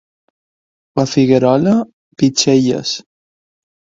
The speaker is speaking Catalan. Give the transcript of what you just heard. A Figuerola, pitxelles.